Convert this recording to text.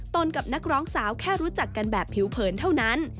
กับนักร้องสาวแค่รู้จักกันแบบผิวเผินเท่านั้น